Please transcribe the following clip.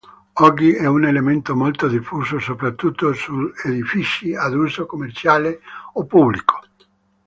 Oggi è un elemento molto diffuso soprattutto su edifici ad uso commerciale o pubblico.